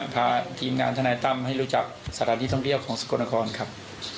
พาทีมงานทนายตั้มให้รู้จักสถานที่ท่องเที่ยวของสกลนครครับ